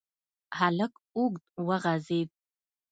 هلک اوږد وغځېد.